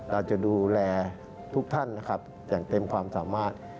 เราจะดูแลทุกท่านนะครับอย่างเต็มความสามารถ